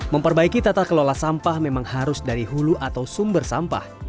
memperbaiki tata kelola sampah memang harus dari hulu atau sumber sampah